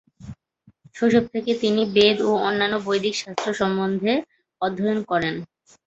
শৈশব থেকে তিনি বেদ ও অন্যান্য বৈদিক শাস্ত্র সম্বন্ধে অধ্যয়ন করেন।